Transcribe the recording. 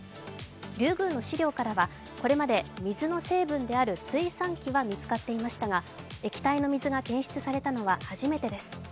リュウグウの試料からは、これまで水の成分である水酸基は見つかっていましたが液体の水が検出されたのは初めてです。